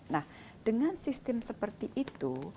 nah dengan sistem seperti itu